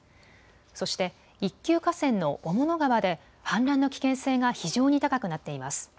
そして一級河川の雄物川で氾濫の危険性が非常に高くなっています。